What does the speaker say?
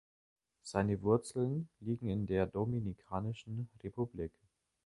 Seine Wurzeln liegen in der Dominikanischen Republik.